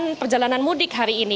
tapi bukan perjalanan mudik hari ini